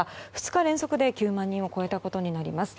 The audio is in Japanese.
２日連続で９万人を超えたことになります。